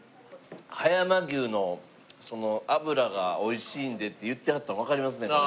葉山牛のその脂が美味しいんでって言ってはったのわかりますねこれ。